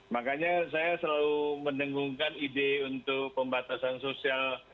makanya saya selalu mendengungkan ide untuk pembatasan sosial